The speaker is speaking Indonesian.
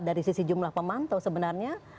dari sisi jumlah pemantau sebenarnya